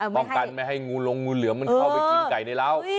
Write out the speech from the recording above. ป้องกันไม่ให้งูลงงูเหลือมมันเข้าไปกินไก่ในร้าว